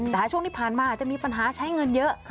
แต่ช่วงที่ผ่านมาจะมีปัญหาใช้เงินเยอะ